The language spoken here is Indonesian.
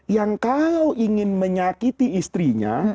yang kalau ingin menyakiti istrinya